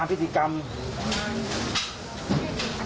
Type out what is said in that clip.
เมื่อยครับเมื่อยครับ